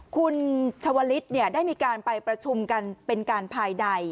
คุณชวลิศได้มีการไปประชุมกันเป็นการภายใน